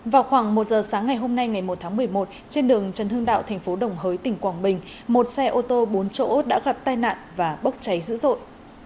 sáng ngày hôm nay ngày một tháng một mươi một trên đường trần hương đạo tp đồng hới tỉnh quảng bình một xe ô tô bốn chỗ đã gặp tai nạn và bốc cháy dữ dội